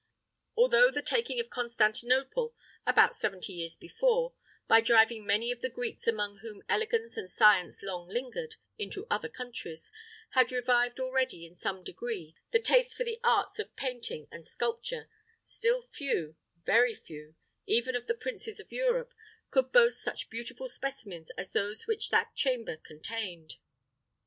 Although the taking of Constantinople, about seventy years before, by driving many of the Greeks amongst whom elegance and science long lingered, into other countries, had revived already, in some degree, the taste for the arts of painting and sculpture, still few, very few, even of the princes of Europe, could boast such beautiful specimens as those which that chamber contained.